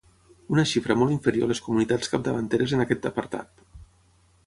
Una xifra molt inferior a les comunitats capdavanteres en aquest apartat.